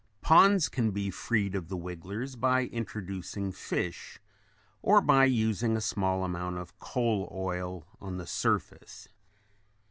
Ponds can be freed of the wigglers by introducing fish or by using a small amount of coal oil on the surface.